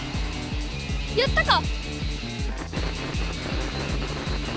やったか？